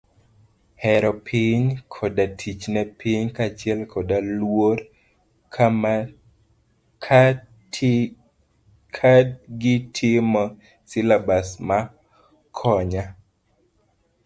Hero piny, koda tich ne piny kachiel koda luor kagitimo silabas ma kanyo.